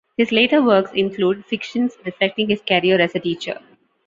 His later works include fictions reflecting his career as a teacher.